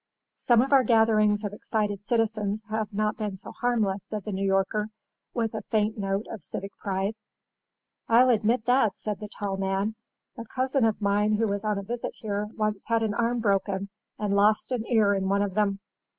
'" "Some of our gatherings of excited citizens have not been so harmless," said the New Yorker, with a faint note of civic pride. "I'll admit that," said the tall man. "A cousin of mine who was on a visit here once had an arm broken and lost an ear in one of them."